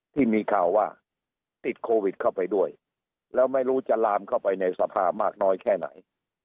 ที่มีข่าวว่าติดโควิดเข้าไปด้วยแล้วไม่รู้จะลามเข้าไปในสภามากน้อยแค่ไหน